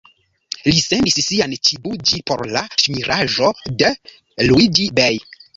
Li sendis sian _ĉibuĝi_ por la ŝmiraĵo de Luiĝi-Bej.